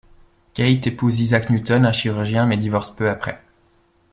Kate épouse Isaac Newton, un chirurgien mais divorce peu après.